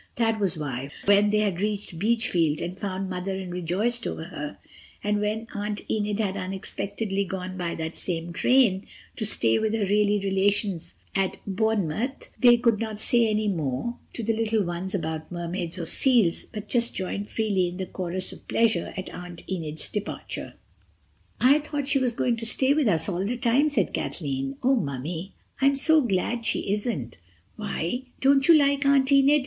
That was why, when they had reached Beachfield and found Mother and rejoiced over her, and when Aunt Enid had unexpectedly gone on by that same train to stay with her really relations at Bournemouth, they did not say any more to the little ones about Mermaids or seals, but just joined freely in the chorus of pleasure at Aunt Enid's departure. "I thought she was going to stay with us all the time," said Kathleen. "Oh, Mummy, I am so glad she isn't." "Why? Don't you like Aunt Enid?